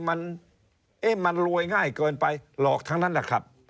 มันรวยง่ายเกินไปหลอกทั้งนั้นแหละครับ